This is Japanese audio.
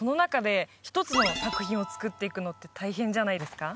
その中で一つの作品を作っていくのって大変じゃないですか？